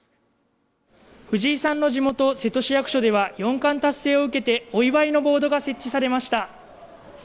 藤井さんの地元、瀬戸市役所では四冠達成を受けてお祝いのボードが設置されました。